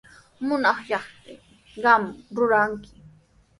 Munanqaykitami qamqa ruranki.